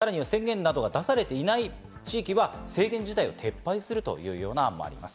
さらには宣言が出されていない地域では制限を撤廃するという案もあります。